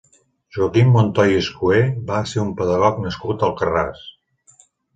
Joaquim Montoy i Escuer va ser un pedagog nascut a Alcarràs.